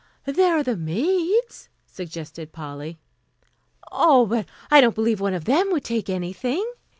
"There are the maids," suggested Polly. "Oh, but I don't believe one of them would take anything."